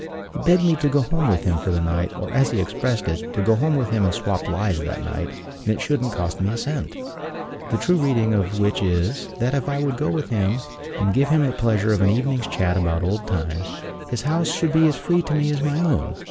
He begged me to go home with him for the night, or, as he expressed it, "to go home with him and swap lies that night, and it shouldn't cost me a cent;" the true reading of which is, that if I would go home with him, and give him the pleasure of an evening's chat about old times, his house should be as free to me as my own.